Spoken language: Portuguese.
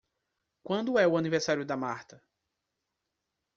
Quando é o aniversário da Marta?